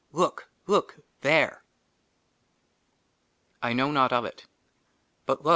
*' LOOK ! LOOK ! THERE !" I KNOW NOT OF IT. BUT, LO